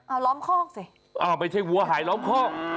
เอาล้อมคอกสิอ่าไม่ใช่วัวหายล้อมคอก